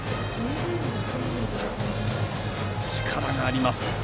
力があります。